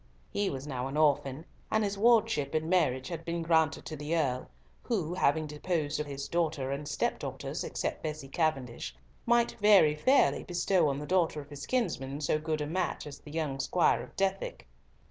He was now an orphan, and his wardship and marriage had been granted to the Earl, who, having disposed of all his daughters and stepdaughters, except Bessie Cavendish, might very fairly bestow on the daughter of his kinsman so good a match as the young squire of Dethick.